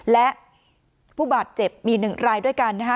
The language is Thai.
และผู้บาดเจ็บมี๑รายด้วยกันนะคะ